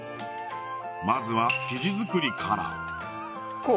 まずは生地作りからこう？